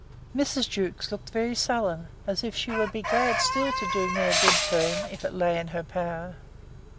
Mrs. Jewkes looked very sullen, and as if she would be glad still to do me a good turn, if it lay in her power.